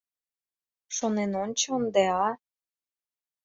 Шонен ончо ынде, а!